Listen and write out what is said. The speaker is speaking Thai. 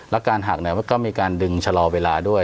แล้วการหักมันก็มีการดึงชะลอเวลาด้วย